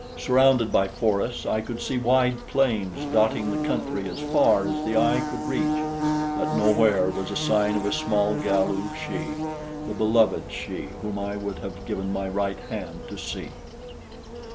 Surrounded by forests, I could see wide plains dotting the country as far as the eye could reach; but nowhere was a sign of a small Galu she the beloved she whom I would have given my right hand to see.